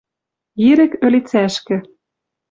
Ирӹк ӧлицӓшкӹ.